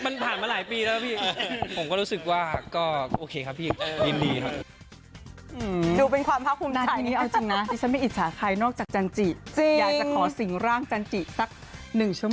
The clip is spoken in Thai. นานนี้เอาจริงนะที่ฉันไม่อิจฉาใครนอกจากจันจิอยากจะขอสิงหร่างจันจิสัก๑ชั่วโมง